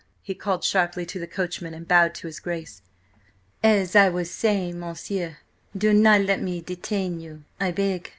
he called sharply to the coachman, and bowed to his Grace. "As I was saying, m'sieu–do not let me detain you, I beg."